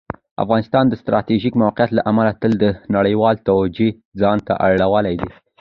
افغانستان د ستراتیژیک موقعیت له امله تل د نړیوالو توجه ځان ته اړولي ده.